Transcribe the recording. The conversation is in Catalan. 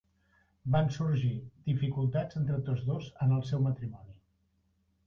Van sorgir dificultats entre tots dos en el seu matrimoni.